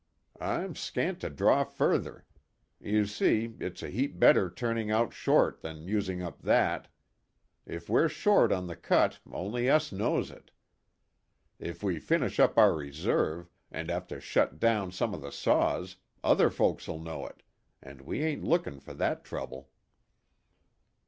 I'm scairt to draw further. You see, it's a heap better turning out short than using up that. If we're short on the cut only us knows it. If we finish up our reserve, and have to shut down some o' the saws, other folks'll know it, and we ain't lookin' for that trouble."